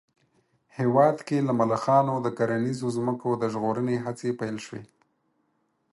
هېواد کې له ملخانو د کرنیزو ځمکو د ژغورنې هڅې پيل شوې